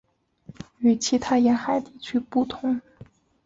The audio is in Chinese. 与其他沿海地区不同。